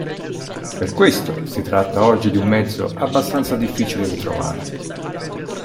Per questo, si tratta oggi di un mezzo abbastanza difficile da trovare.